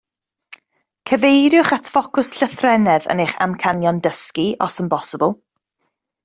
Cyfeiriwch at ffocws llythrennedd yn eich amcanion dysgu os yn bosibl